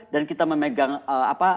dan kita memegang apa